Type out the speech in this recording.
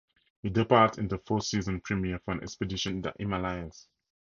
He departs in the fourth-season premiere for an expedition in the Himalayas.